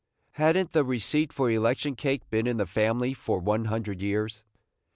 Had n't the receipt for election cake been in the family for one hundred years?